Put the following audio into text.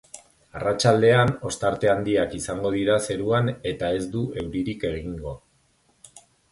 Arratsaldean, ostarte handiak izango dira zeruan eta ez du euririk egingo.